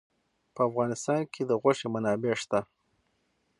په افغانستان کې د غوښې منابع شته.